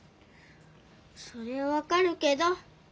そりゃわかるけど。